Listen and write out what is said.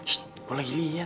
shhh gue lagi liat